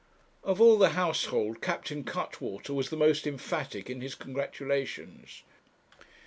Of all the household, Captain Cuttwater was the most emphatic in his congratulations.